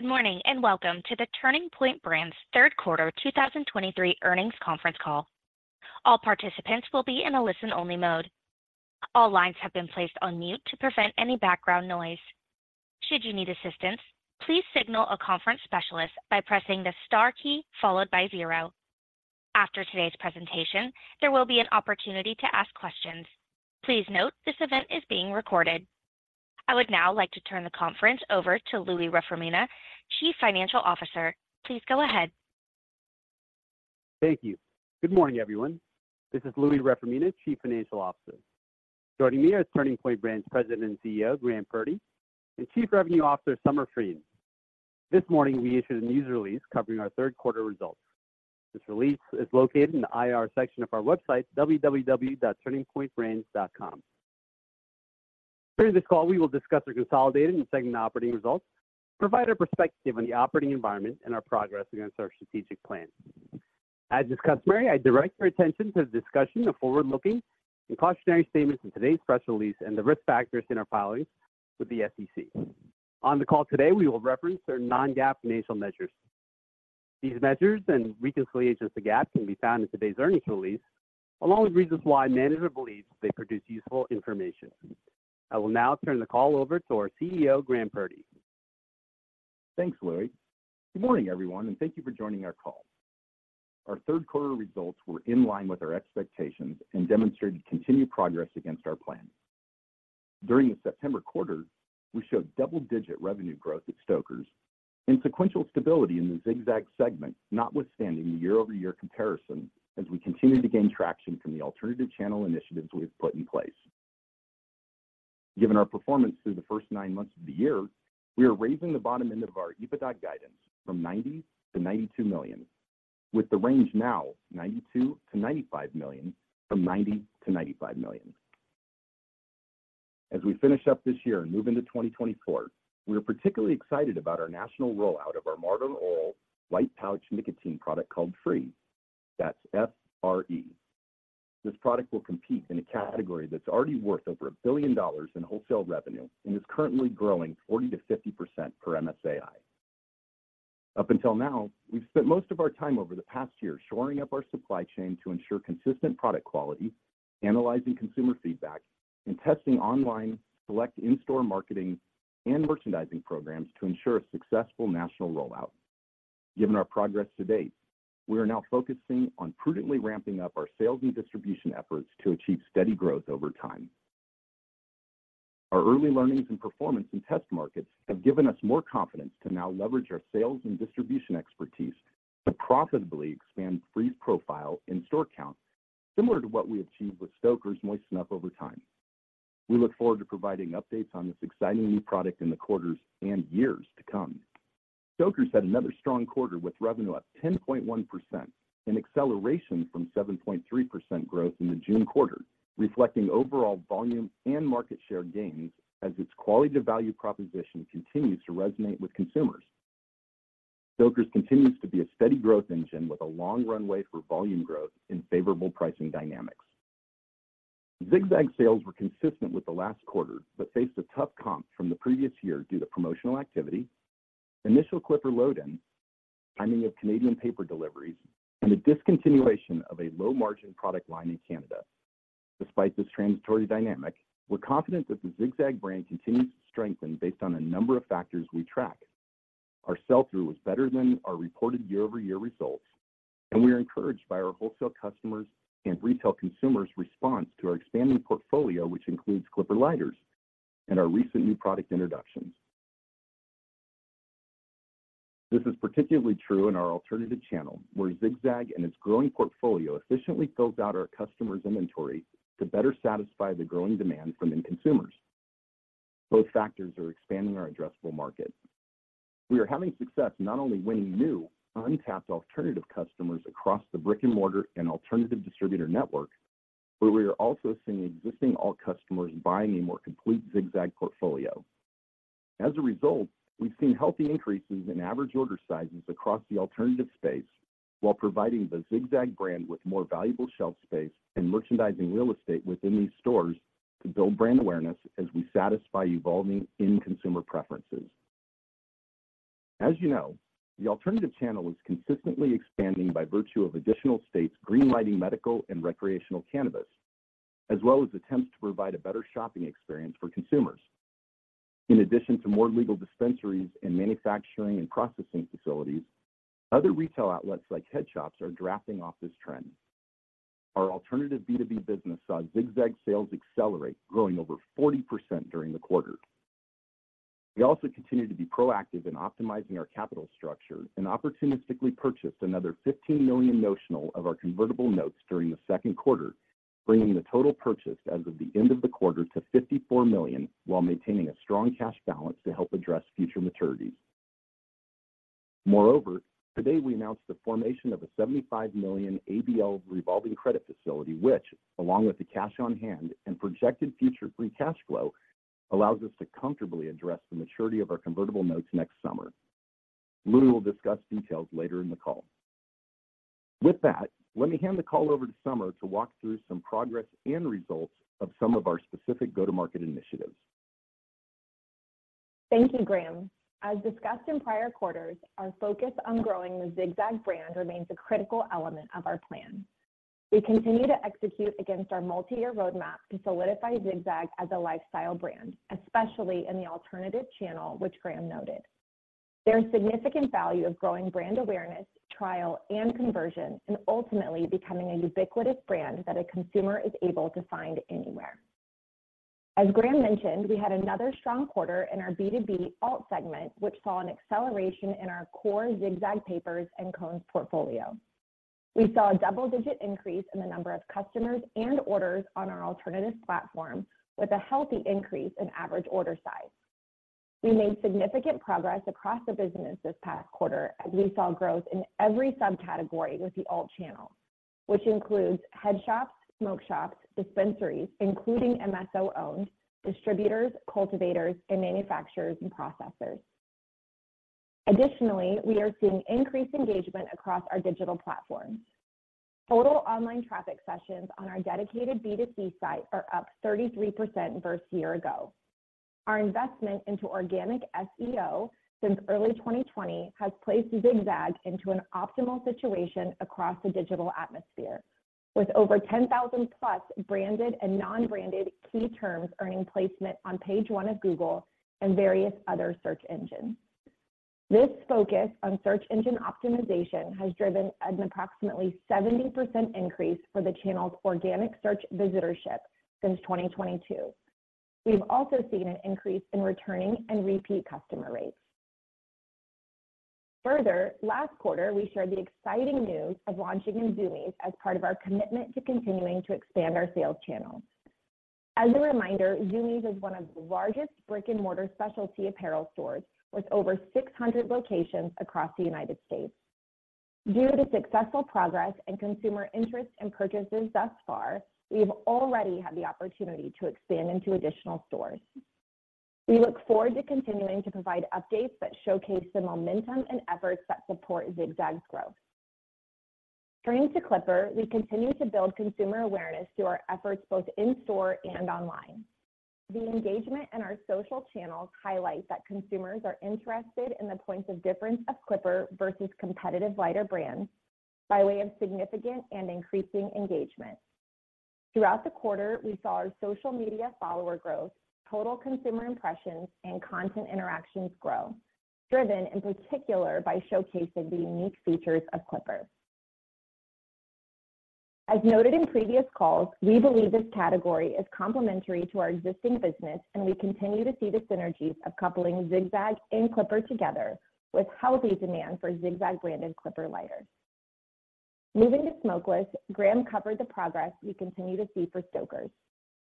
Good morning, and welcome to the Turning Point Brands Q3 2023 Earnings Conference Call. All participants will be in a listen-only mode. All lines have been placed on mute to prevent any background noise. Should you need assistance, please signal a conference specialist by pressing the star key followed by zero. After today's presentation, there will be an opportunity to ask questions. Please note, this event is being recorded. I would now like to turn the conference over to Louie Reformina, Chief Financial Officer. Please go ahead. Thank you. Good morning, everyone. This is Louie Reformina, Chief Financial Officer. Joining me are Turning Point Brands President and CEO, Graham Purdy, and Chief Revenue Officer, Summer Frein. This morning, we issued a news release covering our Q3 results. This release is located in the IR section of our website, www.turningpointbrands.com. During this call, we will discuss our consolidated and segment operating results, provide our perspective on the operating environment, and our progress against our strategic plan. As is customary, I direct your attention to the discussion of forward-looking and cautionary statements in today's press release and the risk factors in our filings with the SEC. On the call today, we will reference our non-GAAP financial measures. These measures and reconciliations to GAAP can be found in today's earnings release, along with reasons why management believes they produce useful information. I will now turn the call over to our CEO, Graham Purdy. Thanks, Louie. Good morning, everyone, and thank you for joining our call. Our Q3 results were in line with our expectations and demonstrated continued progress against our plan. During the September quarter, we showed double-digit revenue growth at Stoker's and sequential stability in the Zig-Zag segment, notwithstanding the year-over-year comparison as we continue to gain traction from the alternative channel initiatives we've put in place. Given our performance through the first nine months of the year, we are raising the bottom end of our EBITDA guidance from $90-$92 million, with the range now $92-$95 million, from $90-$95 million. As we finish up this year and move into 2024, we are particularly excited about our national rollout of our modern all-white pouch nicotine product called FRE, that's F-R-E. This product will compete in a category that's already worth over $1 billion in wholesale revenue and is currently growing 40%-50% per MSAI. Up until now, we've spent most of our time over the past year shoring up our supply chain to ensure consistent product quality, analyzing consumer feedback, and testing online, select in-store marketing and merchandising programs to ensure a successful national rollout. Given our progress to date, we are now focusing on prudently ramping up our sales and distribution efforts to achieve steady growth over time. Our early learnings and performance in test markets have given us more confidence to now leverage our sales and distribution expertise to profitably expand FRE's profile in store count, similar to what we achieved with Stoker's moist snuff over time. We look forward to providing updates on this exciting new product in the quarters and years to come. Stoker's had another strong quarter with revenue up 10.1%, an acceleration from 7.3% growth in the June quarter, reflecting overall volume and market share gains as its quality to value proposition continues to resonate with consumers. Stoker's continues to be a steady growth engine with a long runway for volume growth and favorable pricing dynamics. Zig-Zag sales were consistent with the last quarter, but faced a tough comp from the previous year due to promotional activity, initial Clipper load-in, timing of Canadian paper deliveries, and the discontinuation of a low-margin product line in Canada. Despite this transitory dynamic, we're confident that the Zig-Zag brand continues to strengthen based on a number of factors we track. Our sell-through was better than our reported year-over-year results, and we are encouraged by our wholesale customers and retail consumers' response to our expanding portfolio, which includes Clipper lighters and our recent new product introductions. This is particularly true in our alternative channel, where Zig-Zag and its growing portfolio efficiently fills out our customers' inventory to better satisfy the growing demand from end consumers. Both factors are expanding our addressable market. We are having success not only winning new, untapped alternative customers across the brick-and-mortar and alternative distributor network, but we are also seeing existing alt customers buying a more complete Zig-Zag portfolio. As a result, we've seen healthy increases in average order sizes across the alternative space while providing the Zig-Zag brand with more valuable shelf space and merchandising real estate within these stores to build brand awareness as we satisfy evolving end consumer preferences. As you know, the alternative channel is consistently expanding by virtue of additional states green-lighting medical and recreational cannabis, as well as attempts to provide a better shopping experience for consumers. In addition to more legal dispensaries and manufacturing and processing facilities, other retail outlets like head shops are drafting off this trend. Our alternative B2B business saw Zig-Zag sales accelerate, growing over 40% during the quarter. We also continue to be proactive in optimizing our capital structure and opportunistically purchased another $15 million notional of our convertible notes during the Q2, bringing the total purchased as of the end of the quarter to $54 million, while maintaining a strong cash balance to help address future maturities. Moreover, today we announced the formation of a $75 million ABL revolving credit facility, which, along with the cash on hand and projected future FRE cash flow, allows us to comfortably address the maturity of our convertible notes next summer. Louie will discuss details later in the call. With that, let me hand the call over to Summer to walk through some progress and results of some of our specific go-to-market initiatives. Thank you, Graham. As discussed in prior quarters, our focus on growing the Zig-Zag brand remains a critical element of our plan. We continue to execute against our multi-year roadmap to solidify Zig-Zag as a lifestyle brand, especially in the alternative channel, which Graham noted. There's significant value of growing brand awareness, trial, and conversion, and ultimately becoming a ubiquitous brand that a consumer is able to find anywhere. As Graham mentioned, we had another strong quarter in our B2B alt segment, which saw an acceleration in our core Zig-Zag papers and cones portfolio. We saw a double-digit increase in the number of customers and orders on our alternative platform, with a healthy increase in average order size. We made significant progress across the business this past quarter, as we saw growth in every subcategory with the alt channel, which includes head shops, smoke shops, dispensaries, including MSO-owned, distributors, cultivators, and manufacturers, and processors. Additionally, we are seeing increased engagement across our digital platforms. Total online traffic sessions on our dedicated B2C site are up 33% versus year ago. Our investment into organic SEO since early 2020 has placed Zig-Zag into an optimal situation across the digital atmosphere, with over 10,000+ branded and non-branded key terms earning placement on page 1 of Google and various other search engines. This focus on search engine optimization has driven an approximately 70% increase for the channel's organic search visitorship since 2022. We've also seen an increase in returning and repeat customer rates. Further, last quarter, we shared the exciting news of launching in Zumiez as part of our commitment to continuing to expand our sales channel. As a reminder, Zumiez is one of the largest brick-and-mortar specialty apparel stores, with over 600 locations across the United States. Due to successful progress and consumer interest in purchases thus far, we've already had the opportunity to expand into additional stores. We look forward to continuing to provide updates that showcase the momentum and efforts that support Zig-Zag's growth. Turning to Clipper, we continue to build consumer awareness through our efforts, both in store and online. The engagement in our social channels highlight that consumers are interested in the points of difference of Clipper versus competitive lighter brands by way of significant and increasing engagement. Throughout the quarter, we saw our social media follower growth, total consumer impressions, and content interactions grow, driven in particular by showcasing the unique features of Clipper. As noted in previous calls, we believe this category is complementary to our existing business, and we continue to see the synergies of coupling Zig-Zag and Clipper together with healthy demand for Zig-Zag brand and Clipper lighters. Moving to smokeless, Graham covered the progress we continue to see for Stoker's.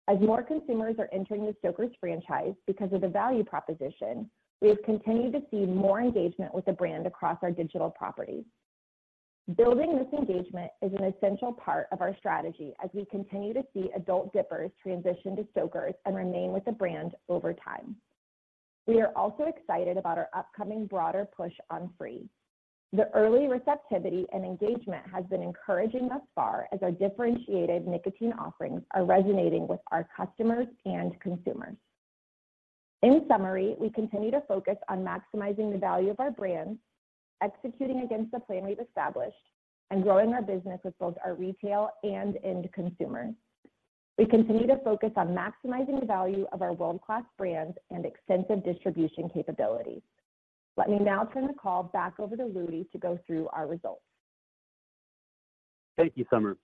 As more consumers are entering the Stoker's franchise because of the value proposition, we have continued to see more engagement with the brand across our digital properties. Building this engagement is an essential part of our strategy as we continue to see adult dippers transition to Stoker's and remain with the brand over time. We are also excited about our upcoming broader push on FRE. The early receptivity and engagement has been encouraging thus far as our differentiated nicotine offerings are resonating with our customers and consumers. In summary, we continue to focus on maximizing the value of our brands, executing against the plan we've established, and growing our business with both our retail and end consumers. We continue to focus on maximizing the value of our world-class brands and extensive distribution capabilities. Let me now turn the call back over to Louie to go through our results. Thank you, Summer.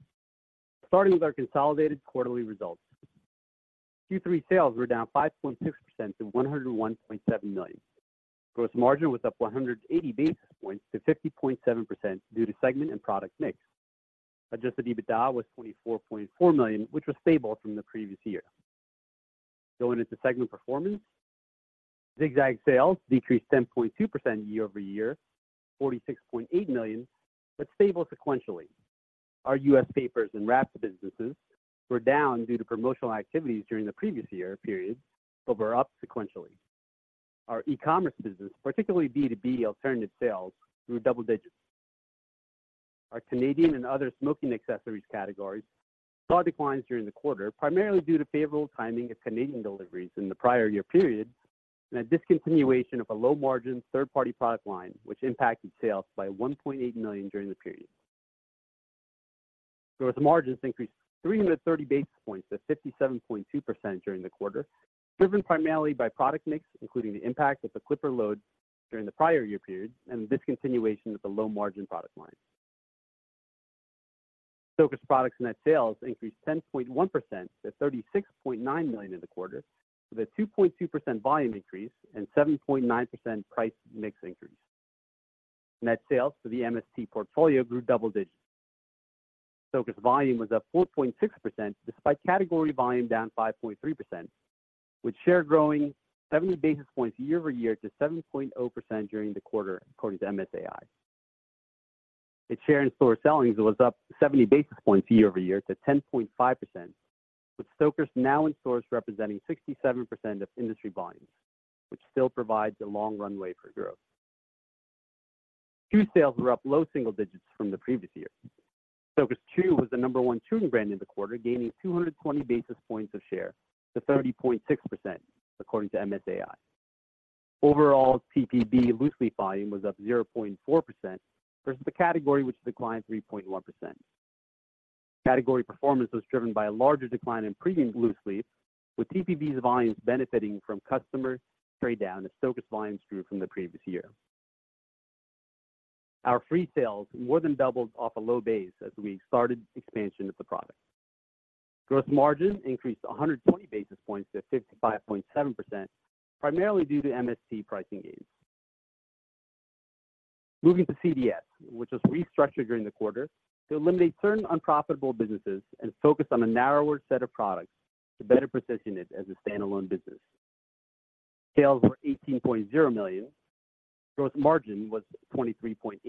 Starting with our consolidated quarterly results. Q3 sales were down 5.6% to $101.7 million. Gross margin was up 180 basis points to 50.7% due to segment and product mix. Adjusted EBITDA was $24.4 million, which was stable from the previous year. Going into segment performance, Zig-Zag sales decreased 10.2% year-over-year, $46.8 million, but stable sequentially. Our U.S. papers and wraps businesses were down due to promotional activities during the previous year period, but were up sequentially. Our e-commerce business, particularly B2B alternative sales, grew double digits. Our Canadian and other smoking accessories categories saw declines during the quarter, primarily due to favorable timing of Canadian deliveries in the prior year period, and a discontinuation of a low-margin third-party product line, which impacted sales by $1.8 million during the period. Gross margins increased 330 basis points to 57.2% during the quarter, driven primarily by product mix, including the impact of the Clipper load during the prior year period and the discontinuation of the low-margin product line. Stoker's products net sales increased 10.1% to $36.9 million in the quarter, with a 2.2% volume increase and 7.9% price mix increase. Net sales for the MST portfolio grew double digits. Stoker's volume was up 4.6%, despite category volume down 5.3%, with share growing 70 basis points year-over-year to 7.0% during the quarter, according to MSAI. Its share in-store selling was up 70 basis points year-over-year to 10.5%, with Stoker's now in stores representing 67% of industry volumes, which still provides a long runway for growth. Tub sales were up low single digits from the previous year. Stoker's tub was the number one tub brand in the quarter, gaining 220 basis points of share to 30.6%, according to MSAI. Overall, TPB loose-leaf volume was up 0.4% versus the category, which declined 3.1%. Category performance was driven by a larger decline in premium loose-leaf, with TPB's volumes benefiting from customer trade down as Stoker's volumes grew from the previous year. Our FRE sales more than doubled off a low base as we started expansion of the product. Gross margin increased 100 basis points to 55.7%, primarily due to MST pricing gains. Moving to CDS, which was restructured during the quarter to eliminate certain unprofitable businesses and focus on a narrower set of products to better position it as a standalone business. Sales were $18.0 million. Gross margin was 23.8%.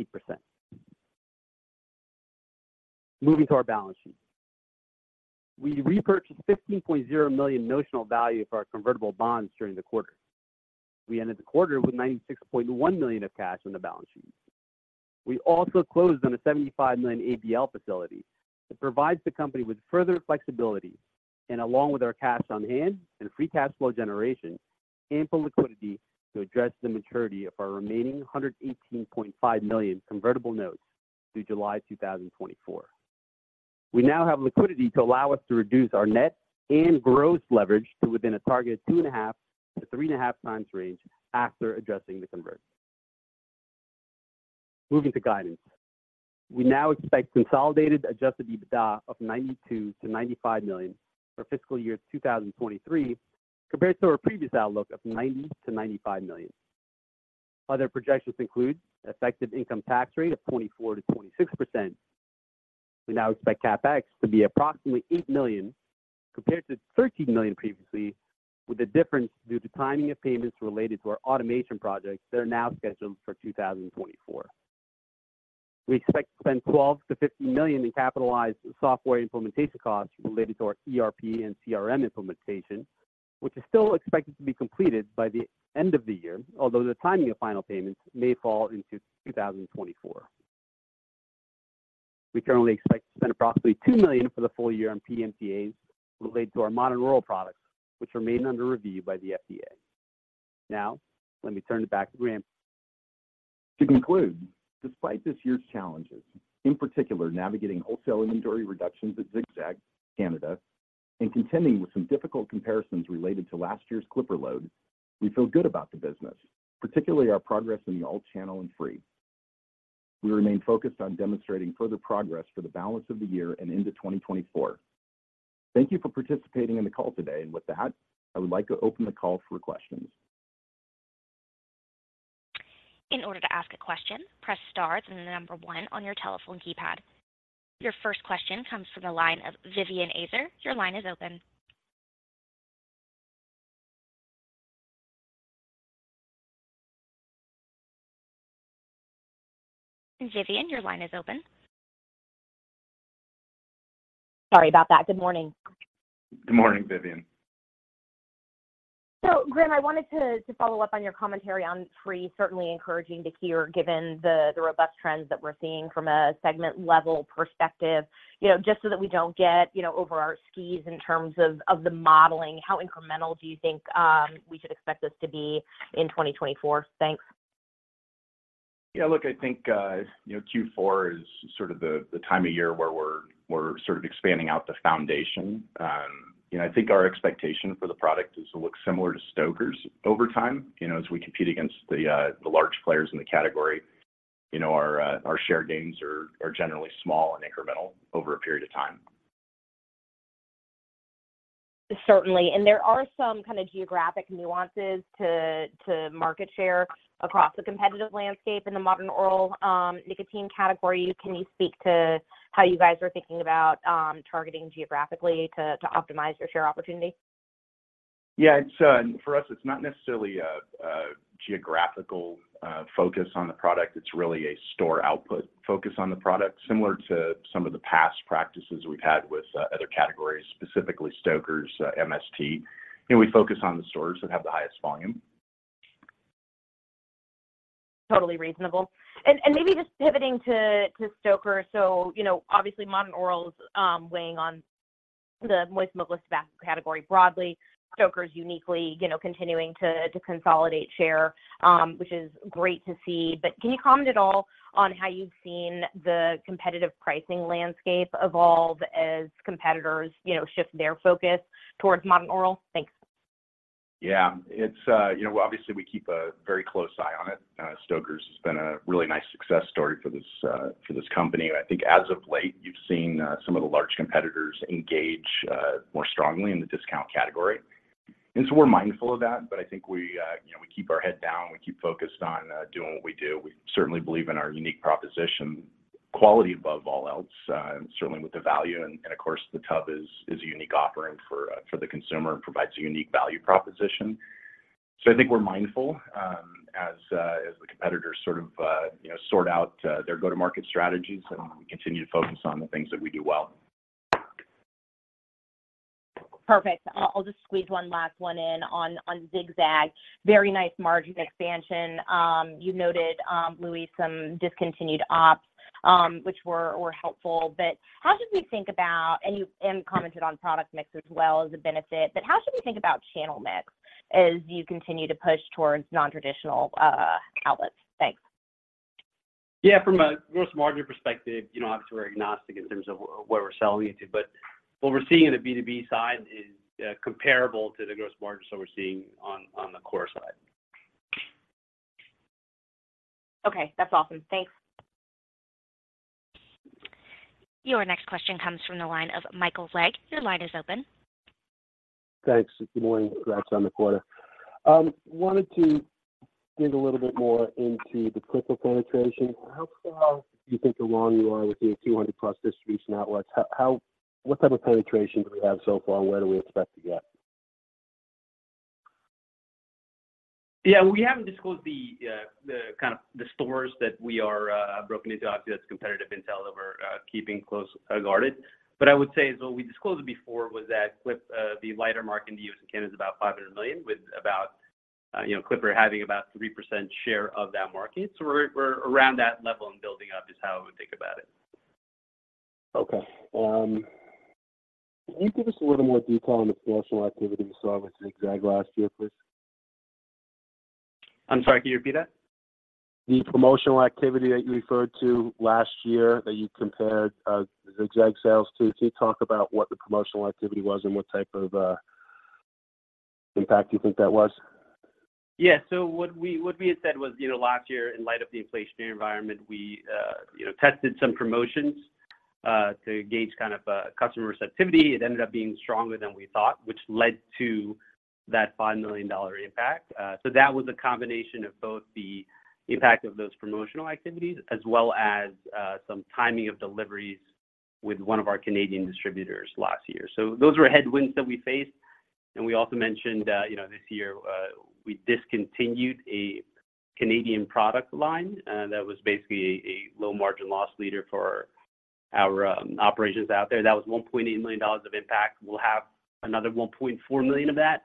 Moving to our balance sheet. We repurchased $15.0 million notional value of our convertible bonds during the quarter. We ended the quarter with $96.1 million of cash on the balance sheet. We also closed on a $75 million ABL facility that provides the company with further flexibility, and along with our cash on hand and FRE cash flow generation, ample liquidity to address the maturity of our remaining $118.5 million convertible notes through July 2024. We now have liquidity to allow us to reduce our net and gross leverage to within a target of 2.5-3.5x range after addressing the convert. Moving to guidance. We now expect consolidated Adjusted EBITDA of $92-$95 million for fiscal year 2023, compared to our previous outlook of $90-$95 million. Other projections include effective income tax rate of 24%-26%. We now expect CapEx to be approximately $8 million, compared to $13 million previously, with the difference due to timing of payments related to our automation projects that are now scheduled for 2024. We expect to spend $12-$15 million in capitalized software implementation costs related to our ERP and CRM implementation, which is still expected to be completed by the end of the year, although the timing of final payments may fall into 2024. We currently expect to spend approximately $2 million for the full year on PMTAs related to our Modern Oral products, which remain under review by the FDA. Now, let me turn it back to Graham. To conclude, despite this year's challenges, in particular, navigating wholesale inventory reductions at Zig-Zag Canada, and contending with some difficult comparisons related to last year's Clipper load, we feel good about the business, particularly our progress in the alt channel and FRE. We remain focused on demonstrating further progress for the balance of the year and into 2024. Thank you for participating in the call today, and with that, I would like to open the call for questions. In order to ask a question, press star, then the number one on your telephone keypad. Your first question comes from the line of Vivien Azer. Your line is open. Vivien, your line is open. Sorry about that. Good morning. Good morning, Vivien. So, Graham, I wanted to follow up on your commentary on FRE. Certainly encouraging to hear, given the robust trends that we're seeing from a segment-level perspective. You know, just so that we don't get, you know, over our skis in terms of the modeling, how incremental do you think we should expect this to be in 2024? Thanks. Yeah, look, I think, you know, Q4 is sort of the time of year where we're sort of expanding out the foundation. You know, I think our expectation for the product is to look similar to Stoker's over time. You know, as we compete against the large players in the category, you know, our share gains are generally small and incremental over a period of time. Certainly, and there are some kind of geographic nuances to market share across the competitive landscape in the Modern Oral nicotine category. Can you speak to how you guys are thinking about targeting geographically to optimize your share opportunity? Yeah, it's for us, it's not necessarily a geographical focus on the product. It's really a store output focus on the product, similar to some of the past practices we've had with other categories, specifically Stoker's MST. You know, we focus on the stores that have the highest volume. Totally reasonable. And maybe just pivoting to Stoker's. So, you know, obviously, Modern Oral's weighing on the moist smokeless tobacco category broadly, Stoker's uniquely, you know, continuing to consolidate share, which is great to see. But can you comment at all on how you've seen the competitive pricing landscape evolve as competitors, you know, shift their focus towards Modern Oral? Thanks. Yeah, it's you know, obviously, we keep a very close eye on it. Stoker's has been a really nice success story for this, for this company. I think as of late, you've seen, some of the large competitors engage, more strongly in the discount category, and so we're mindful of that, but I think we, you know, we keep our head down, we keep focused on, doing what we do. We certainly believe in our unique proposition, quality above all else, and certainly with the value, and, of course, the tub is, a unique offering for, for the consumer and provides a unique value proposition. So I think we're mindful, as, as the competitors sort of, you know, sort out, their go-to-market strategies, and we continue to focus on the things that we do well. Perfect. I'll just squeeze one last one in on Zig-Zag. Very nice margin expansion. You noted, Louie, some discontinued ops, which were helpful. But how should we think about and you commented on product mix as well as a benefit, but how should we think about channel mix as you continue to push towards non-traditional outlets? Thanks. Yeah, from a Gross Margin perspective, you know, obviously, we're agnostic in terms of where we're selling it to, but what we're seeing in the B2B side is comparable to the Gross Margins that we're seeing on the core side. Okay. That's awesome. Thanks. Your next question comes from the line of Michael Lavery. Your line is open. Thanks, good morning. Congrats on the quarter. Wanted to dig a little bit more into the Clipper penetration. How far do you think along you are with your 200+ distribution outlets? What type of penetration do we have so far, and where do we expect to get? Yeah, we haven't disclosed the kind of the stores that we are broken into. Obviously, that's competitive intel that we're keeping close guarded. But I would say is what we disclosed before was that Clipper, the lighter market in the U.S. and Canada is about $500 million, with about, you know, Clipper having about 3% share of that market. So we're around that level and building up, is how I would think about it. Okay. Can you give us a little more detail on the promotional activity we saw with Zig-Zag last year, please? I'm sorry, can you repeat that? The promotional activity that you referred to last year, that you compared, Zig-Zag sales to. Can you talk about what the promotional activity was and what type of impact you think that was? Yeah. So what we, what we had said was, you know, last year, in light of the inflationary environment, we tested some promotions to gauge kind of customer receptivity. It ended up being stronger than we thought, which led to that $5 million impact. So that was a combination of both the impact of those promotional activities as well as some timing of deliveries with one of our Canadian distributors last year. So those were headwinds that we faced, and we also mentioned, you know, this year, we discontinued a Canadian product line that was basically a low-margin loss leader for our operations out there. That was $1.8 million of impact. We'll have another $1.4 million of that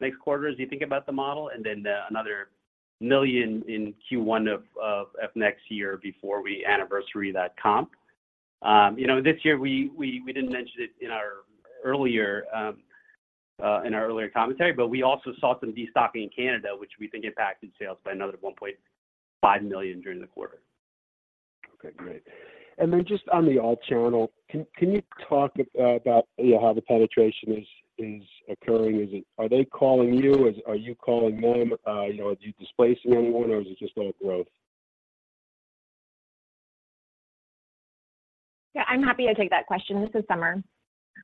next quarter as you think about the model, and then, another $1 million in Q1 of next year before we anniversary that comp. You know, this year, we didn't mention it in our earlier, in our earlier commentary, but we also saw some destocking in Canada, which we think impacted sales by another $1.5 million during the quarter. Okay, great. And then just on the alt channel, can you talk about, you know, how the penetration is occurring? Are they calling you, or are you calling them? You know, are you displacing anyone, or is it just all growth? Yeah, I'm happy to take that question. This is Summer.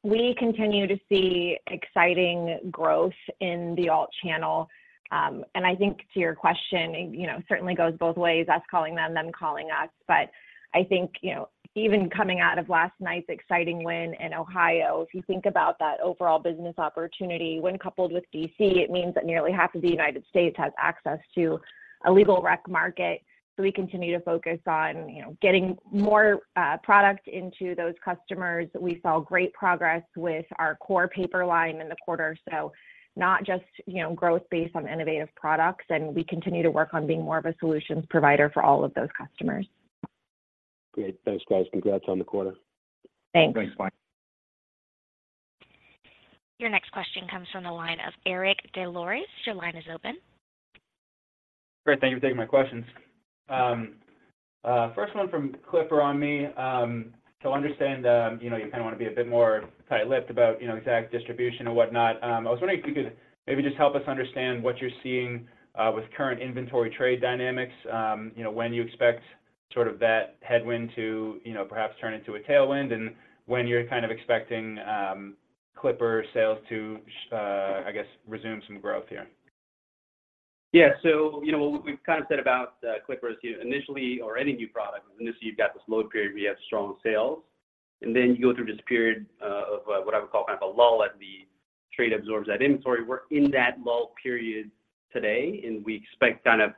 We continue to see exciting growth in the alt channel. And I think to your question, it, you know, certainly goes both ways, us calling them, them calling us. But I think, you know, even coming out of last night's exciting win in Ohio, if you think about that overall business opportunity, when coupled with D.C., it means that nearly half of the United States has access to a legal rec market. So we continue to focus on, you know, getting more, product into those customers. We saw great progress with our core paper line in the quarter, so not just, you know, growth based on innovative products, and we continue to work on being more of a solutions provider for all of those customers. Great. Thanks, guys. Congrats on the quarter. Thanks. Thanks. Bye. Your next question comes from the line of Eric Des Lauriers. Your line is open. Great. Thank you for taking my questions. First one from Clipper on me. So I understand, you know, you kind of want to be a bit more tight-lipped about, you know, exact distribution and whatnot. I was wondering if you could maybe just help us understand what you're seeing with current inventory trade dynamics. You know, when you expect sort of that headwind to, you know, perhaps turn into a tailwind, and when you're kind of expecting Clipper sales to, I guess, resume some growth here. Yeah. So, you know, what we've kind of said about, Clipper initially, or any new product, initially, you've got this load period where you have strong sales, and then you go through this period, of, what I would call kind of a lull, as the trade absorbs that inventory. We're in that lull period today, and we expect kind of,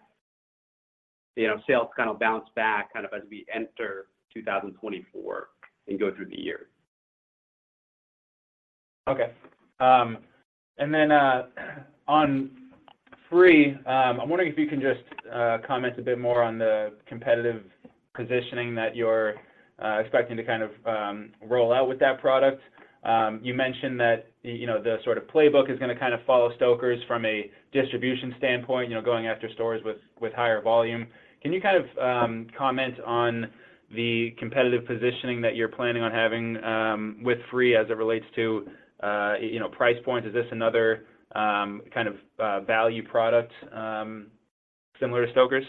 you know, sales to kind of bounce back, kind of as we enter 2024 and go through the year. Okay. And then, on FRE, I'm wondering if you can just comment a bit more on the competitive positioning that you're expecting to kind of roll out with that product. You mentioned that, you know, the sort of playbook is gonna kind of follow Stoker's from a distribution standpoint, you know, going after stores with higher volume. Can you kind of comment on the competitive positioning that you're planning on having with FRE as it relates to, you know, price points? Is this another kind of value product similar to Stoker's?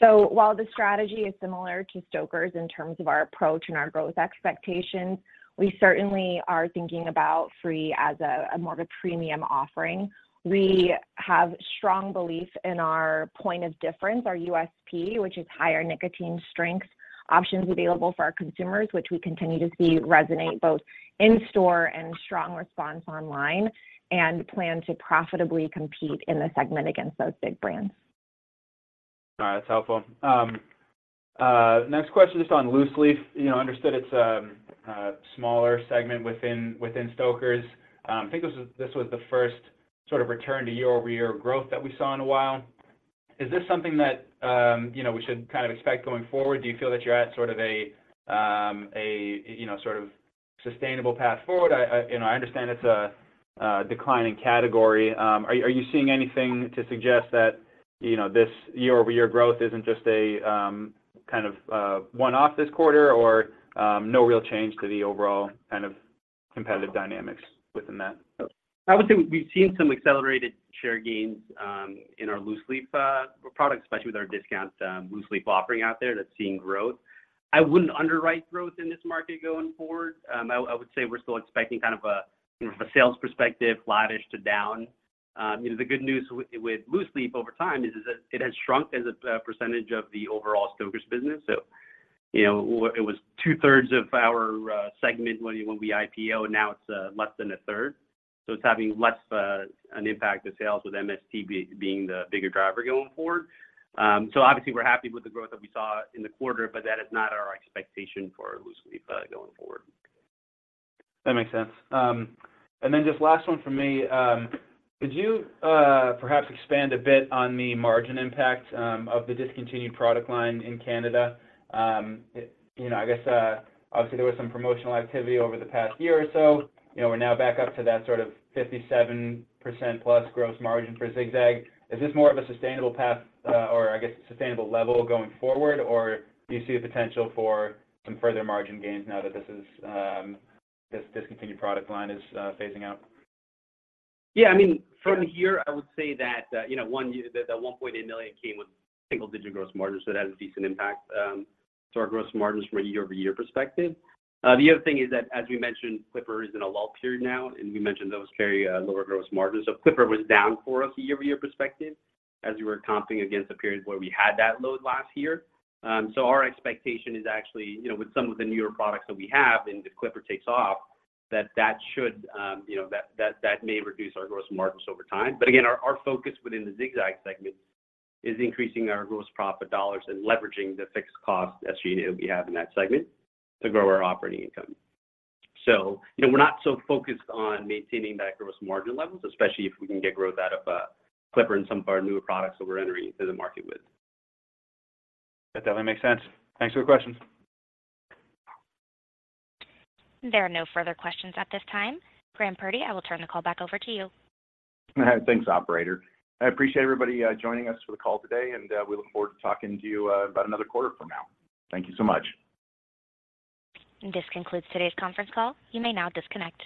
So while the strategy is similar to Stoker's in terms of our approach and our growth expectations, we certainly are thinking about FRE as a more of a premium offering. We have strong belief in our point of difference, our USP, which is higher nicotine strength options available for our consumers, which we continue to see resonate both in-store and strong response online, and plan to profitably compete in the segment against those big brands. All right, that's helpful. Next question, just on loose-leaf. You know, understood it's a smaller segment within Stoker's. I think this was the first sort of return to year-over-year growth that we saw in a while. Is this something that you know, we should kind of expect going forward? Do you feel that you're at sort of a sustainable path forward? I you know, I understand it's a declining category. Are you seeing anything to suggest that you know, this year-over-year growth isn't just a kind of one-off this quarter or no real change to the overall kind of competitive dynamics within that? I would say we've seen some accelerated share gains in our loose leaf products, especially with our discount loose leaf offering out there, that's seeing growth. I wouldn't underwrite growth in this market going forward. I would say we're still expecting kind of a, you know, from a sales perspective, flattish to down. You know, the good news with loose leaf over time is that it has shrunk as a percentage of the overall Stoker's business. So, you know, it was two-thirds of our segment when we IPO, and now it's less than a third. So it's having less of an impact to sales, with MST being the bigger driver going forward. So obviously, we're happy with the growth that we saw in the quarter, but that is not our expectation for loose leaf going forward. That makes sense. And then just last one from me. Could you perhaps expand a bit on the margin impact of the discontinued product line in Canada? You know, I guess obviously there was some promotional activity over the past year or so. You know, we're now back up to that sort of 57%+ gross margin for Zig-Zag. Is this more of a sustainable path or I guess sustainable level going forward, or do you see a potential for some further margin gains now that this discontinued product line is phasing out? Yeah. I mean, from here, I would say that, you know, one, the $1.8 million came with single-digit gross margin, so it has a decent impact to our gross margins from a year-over-year perspective. The other thing is that, as we mentioned, Clipper is in a lull period now, and we mentioned those carry lower gross margins. So Clipper was down for us year-over-year perspective, as we were comping against a period where we had that load last year. So our expectation is actually, you know, with some of the newer products that we have, and if Clipper takes off, that should, you know, that may reduce our gross margins over time. But again, our focus within the Zig-Zag segment is increasing our gross profit dollars and leveraging the fixed costs associated that we have in that segment to grow our operating income. So, you know, we're not so focused on maintaining that gross margin levels, especially if we can get growth out of Clipper and some of our newer products that we're entering into the market with. That definitely makes sense. Thanks for the questions. There are no further questions at this time. Graham Purdy, I will turn the call back over to you. Thanks, operator. I appreciate everybody joining us for the call today, and we look forward to talking to you about another quarter from now. Thank you so much. This concludes today's conference call. You may now disconnect.